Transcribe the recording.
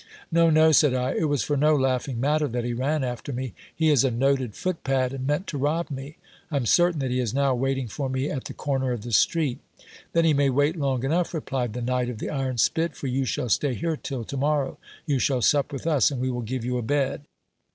No, no, said I, it was for no laughing matter that he ran after me. He is a noted footpad, and meant to rob me ; I am certain that he is now waiting for me at the corner of the street. Then he may wait long enough, replied the knight of the iron spit ; for you shall stay here till to morrow. You shall sup with us, and we will give you a bed.